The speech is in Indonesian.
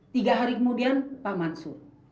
tiga hari kemudian pak mansur